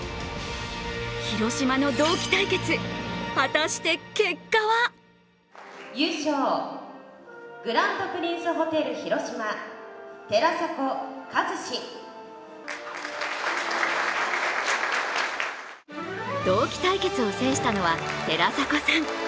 広島の同期対決、果たして結果は同期対決を制したのは寺迫さん。